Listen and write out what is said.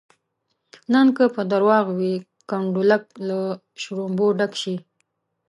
نن که په درواغو وي کنډولک له شلومبو ډک شي.